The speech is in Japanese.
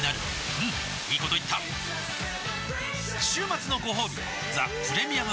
うんいいこと言った週末のごほうび「ザ・プレミアム・モルツ」